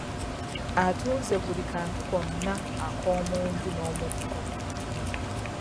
Atunze buli kantu konna ak’omunju n’omuggo?